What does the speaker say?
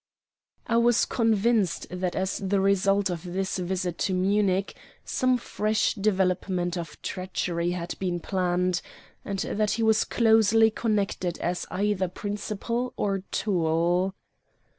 I was convinced that as the result of this visit to Munich some fresh development of treachery had been planned, and that he was closely concerned as either principal or tool.